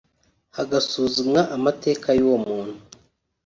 hagasuzumwa amateka y’uwo muntu